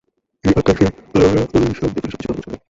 এই আকাশের দানবেরা, তাদের সামনে পড়া সবকিছু তছনছ করে ফেলে।